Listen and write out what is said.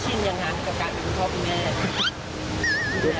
อย่างนั้นกับการเป็นคุณพ่อคุณแม่